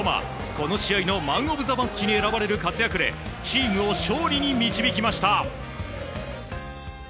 この試合のマン・オブ・ザ・マッチに選ばれる活躍でチームを勝利に導きました。